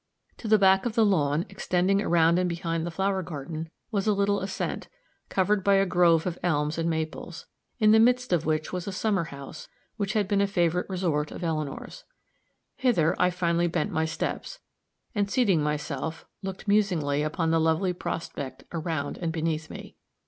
To the back of the lawn, extending around and behind the flower garden, was a little ascent, covered by a grove of elms and maples, in the midst of which was a summer house which had been a favorite resort of Eleanor's. Hither I finally bent my steps, and seating myself, looked musingly upon the lovely prospect around and beneath me.